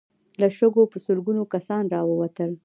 له شګو په سلګونو کسان را ووتل.